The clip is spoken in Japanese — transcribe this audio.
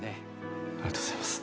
「ありがとうございます」